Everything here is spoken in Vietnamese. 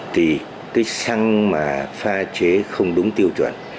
thì cái xăng mà pha chế không đúng tiêu chuẩn